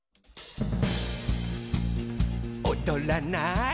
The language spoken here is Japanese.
「おどらない？」